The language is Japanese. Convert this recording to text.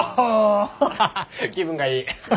ハハハ気分がいい。